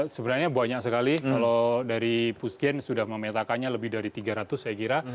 sebenarnya banyak sekali kalau dari puskien sudah memetakannya lebih dari tiga ratus saya kira